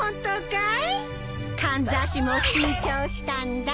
かんざしも新調したんだ。